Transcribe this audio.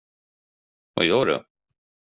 Vad gör du?